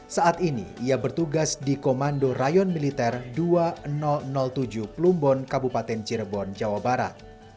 saat ini ia bertugas di komando rayon militer dua ribu tujuh plumbon kabupaten cirebon jawa barat